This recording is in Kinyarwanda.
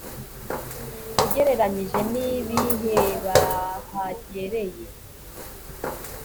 ugereranyije n ibihe bahagereye